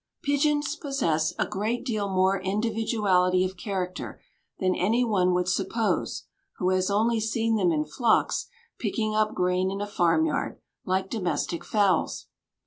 Pigeons possess a great deal more individuality of character than any one would suppose who has only seen them in flocks picking up grain in a farmyard, like domestic fowls.